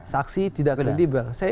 saksi tidak kredibel